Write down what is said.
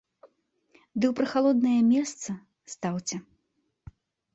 Ды ў прахалоднае месца стаўце.